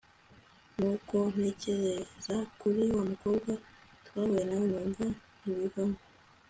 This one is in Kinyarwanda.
nuko ntekereza kuri wamukobwa twahuye nawe numva ntibivamo